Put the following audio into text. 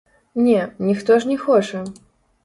Не, ніхто ж не хоча!